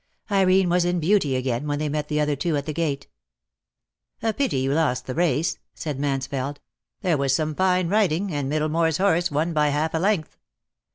Irene was in beauty again when they met the other two at the gate. "A pity you lost the race," said Mansfeld. "There was some fine riding, and Middlemore's horse won by half a length.